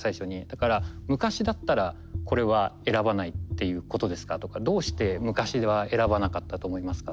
だから昔だったらこれは選ばないっていうことですかとかどうして昔では選ばなかったと思いますかとか。